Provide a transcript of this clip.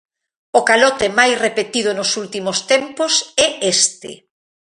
O calote máis repetido nos últimos tempos é este.